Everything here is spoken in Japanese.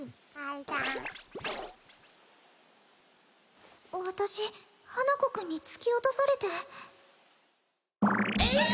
いさん私花子くんに突き落とされてエイッ